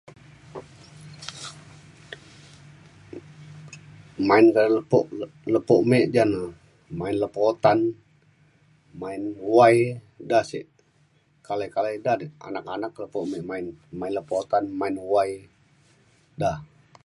main dalem lepo lepo me ja na main lepo utan main wai da sek kala kala ida anak anak lepo main. main lepo utan main wai da